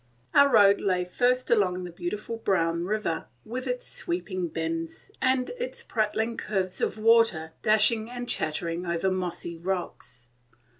Our road lay first along the beautiful brown river, with its sweeping bends, and its prattling curves of water dashing and chattering over mossy rocks.